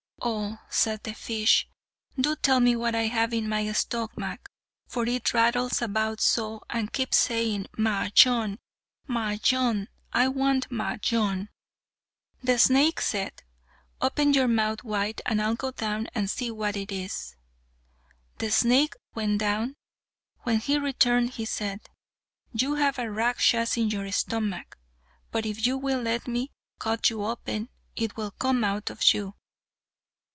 "Oh," says the fish, "do tell me what I have in my stomach, for it rattles about so, and keeps saying, 'Majnun, Majnun; I want Majnun.'" The snake said, "Open your mouth wide, and I'll go down and see what it is." The snake went down: when he returned he said, "You have a Rakshas in your stomach, but if you will let me cut you open, it will come out of you."